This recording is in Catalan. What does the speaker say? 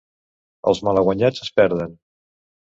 Els malaguanyats es perden.